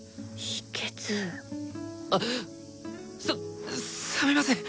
あすっすみません！